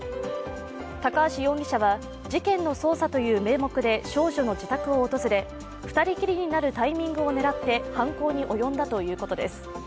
高橋容疑者は事件の捜査という名目で少女の自宅を訪れ２人きりになるタイミングを狙って犯行に及んだということです。